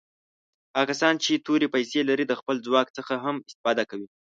هغه کسان چې تورې پیسي لري د خپل ځواک څخه هم استفاده کوي.